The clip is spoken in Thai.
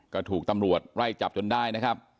ก็ถูกตำรวจไล่จับจนได้นะครับ